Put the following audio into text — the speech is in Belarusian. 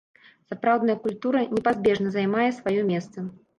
Сапраўдная культура непазбежна займае сваё месца.